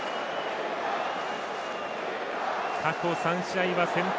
過去３試合は先発。